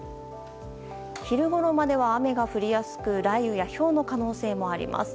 昼頃までは雨が降りやすく雷雨やひょうの可能性もあります。